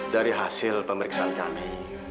dari hasil pemeriksaan kami